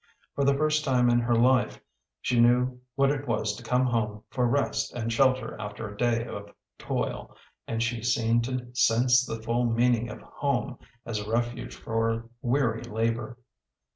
For the first time in her life she knew what it was to come home for rest and shelter after a day of toil, and she seemed to sense the full meaning of home as a refuge for weary labor.